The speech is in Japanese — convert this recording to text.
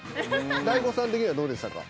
ＤＡＩＧＯさん的にはどうでしたか？